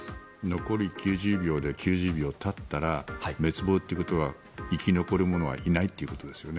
残り９０秒で９０秒たったら滅亡ということは、生き残る者はいないということですよね。